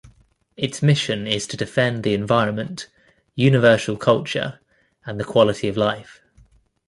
Its mission is to defend the environment, universal culture and the quality of life.